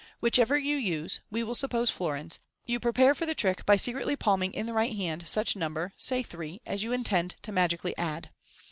Whichever you use (we will suppose florins), you prepare for the trick by secretly palming in the right hand such number (say three) as you intend to magically add.